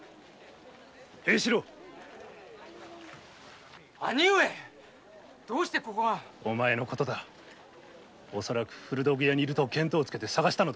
・平四郎兄上どうしてここが？お前のことだ古道具屋に居ると見当をつけて捜したのだ。